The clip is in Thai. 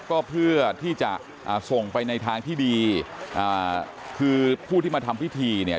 ก็เพื่อที่จะอ่าส่งไปในทางที่ดีอ่าคือผู้ที่มาทำพิธีเนี่ย